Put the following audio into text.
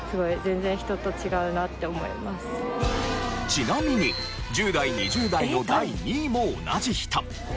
ちなみに１０代２０代の第２位も同じ人。